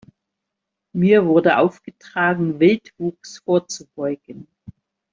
Mir wurde aufgetragen, Wildwuchs vorzubeugen.